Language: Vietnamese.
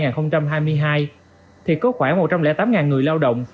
trong tháng cuối năm hai nghìn hai mươi hai thì có khoảng một trăm linh tám người lao động